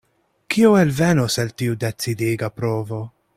Kio elvenos el tiu decidiga provo?